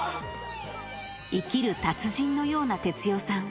生きる達人のような哲代さん。